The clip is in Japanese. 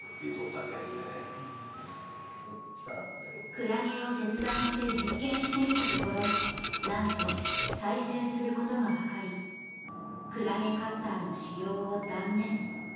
クラゲを切断して実験してみたところなんと、再生することがわかりクラゲカッターの使用を断念。